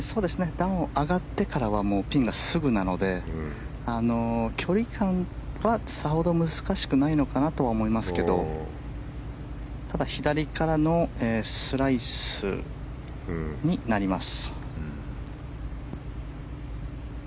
段を上がってからはもうピンがすぐなので距離感はさほど難しくないのかなとは思いますけどただ、左からのスライスになります。